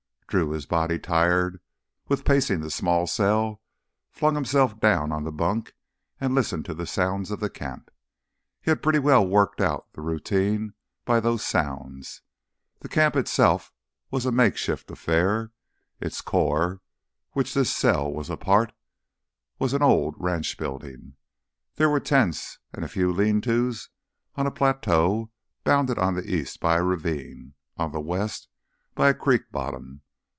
Drew, his body tired with pacing the small cell, flung himself down on the bunk and listened to the sounds of the camp. He had pretty well worked out the routine by those sounds. The camp itself was a makeshift affair. Its core, of which this cell was a part, was an old ranch building. There were tents and a few lean tos, on a plateau bounded on the east by a ravine, on the west by a creek bottom.